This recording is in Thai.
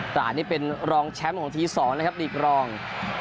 แต่อันนี้เป็นรองแชมป์ของทีสองนะครับอีกรอง